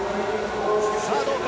さあどうか。